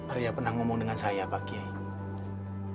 arya pernah ngomong dengan saya pak kiai